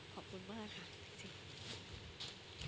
ขอบคุณมากค่ะ